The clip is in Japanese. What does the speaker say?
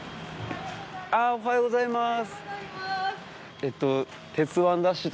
おはようございます。